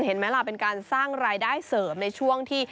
เห็นไหมล่ะเป็นการสร้างรายได้เสริมในช่วงที่